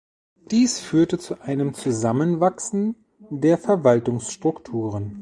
Dies führte zu einem Zusammenwachsen der Verwaltungsstrukturen.